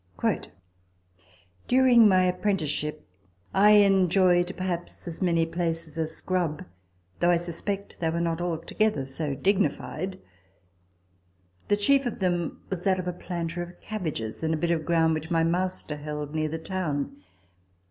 [" During my apprentice ship, I enjoyed perhaps as many places as Scrub, though I suspect they were not altogether so digni fied : the chief of them was that of a planter of cabbages in a bit of ground which my master held near the town.